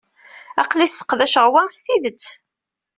Aql-i sseqdaceɣ wa s tidet.